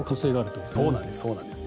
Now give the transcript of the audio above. そうなんです。